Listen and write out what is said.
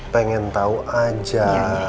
pengen tau aja